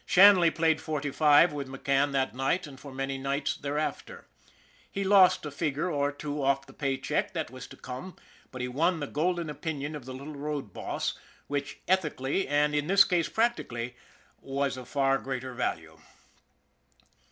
Shanley played forty five with McCann that night and for many nights thereafter. He lost a figure or two off the pay check that was to come, but he won the golden opinion of the little road boss, which ethically, and in this case prac tically, was of far greater value.